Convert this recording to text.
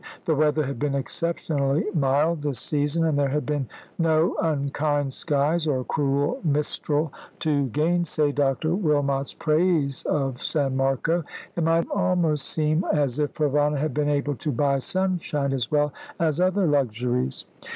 The weather had been exceptionally mild this season, and there had been no unkind skies or cruel mistral to gainsay Dr. Wilmot's praise of San Marco. It might almost seem as if Provana had been able to buy sunshine as well as other luxuries.